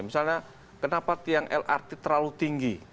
misalnya kenapa tiang lrt terlalu tinggi